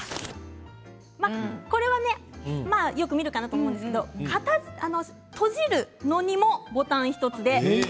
これはよく見るかなと思うんですが閉じるのにもボタン１つで。